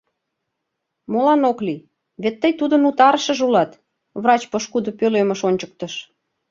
— Молан ок лий, вет тый тудын утарышыже улат, — врач пошкудо пӧлемыш ончыктыш.